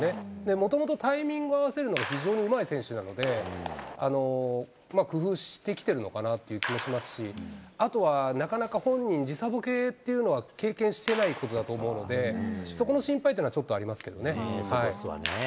もともとタイミングを合わせるのが非常にうまい選手なので、工夫してきてるのかなっていう気もしますし、あとは、なかなか本人、時差ボケっていうのは経験してないことだと思うので、そこの心配っていうのはちょっとありますけどね。